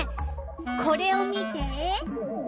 これを見て！